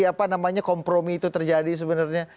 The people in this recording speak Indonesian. apa namanya kompromi itu terjadi sebenarnya